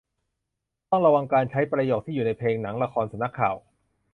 ต้องระวังการใช้ประโยคที่อยู่ในเพลง หนัง ละคร สำนักข่าว